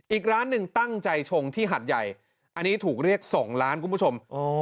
อีกร้านหนึ่งตั้งใจชงที่หัดใหญ่อันนี้ถูกเรียก๒ล้านคุณผู้ชม